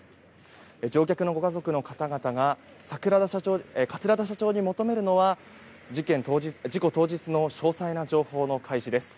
乗客のご家族の方々が桂田社長に求めるのは事故当日の詳細な情報の開示です。